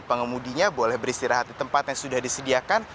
pengemudinya boleh beristirahat di tempat yang sudah disediakan